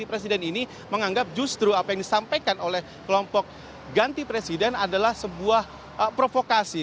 presiden ini menganggap justru apa yang disampaikan oleh kelompok ganti presiden adalah sebuah provokasi